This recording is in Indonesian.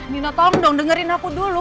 mino tolong dong dengerin aku dulu